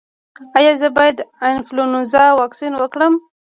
ایا زه باید د انفلونزا واکسین وکړم؟